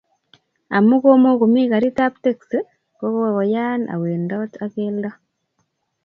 Amuu komokomii karit ab teksi, kokoyaa awendot ak keldo